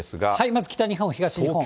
まず北日本、東日本。